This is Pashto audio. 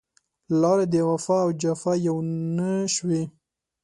لارې د وفا او جفا يو نه شوې